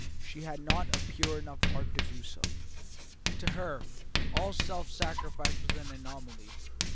She had not a pure enough heart to do so. To her all self sacrifice was an anomaly.